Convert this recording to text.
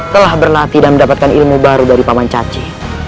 telah berlatih dan mendapatkan ilmu baru dari paman caci